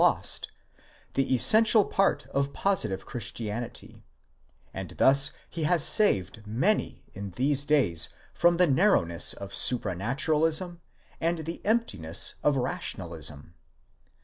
769 the essential part of positive Christianity: and thus he has saved many in these days from the narrowness of Supranaturalism, and the emptiness of Rationalism.